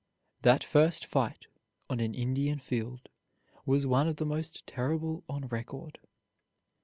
That first fight, on an Indian field, was one of the most terrible on record.